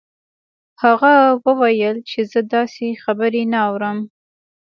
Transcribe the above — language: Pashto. هغه وویل چې زه داسې خبرې نه اورم